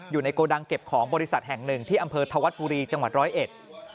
อยู่ในโกดังเก็บของบริษัทแห่งหนึ่งที่อำเภอธวัฒนฟุรีจังหวัด๑๐๑